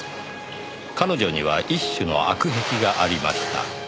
「彼女には一種の悪癖がありました」